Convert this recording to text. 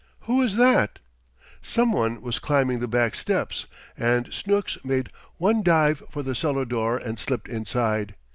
Who is that?" Some one was climbing the back steps, and Snooks made one dive for the cellar door, and slipped inside.